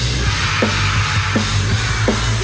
ส่วนยังแบร์ดแซมแบร์ด